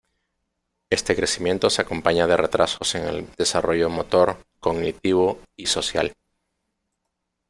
Este crecimiento se acompaña de retrasos en el desarrollo motor, cognitivo y social.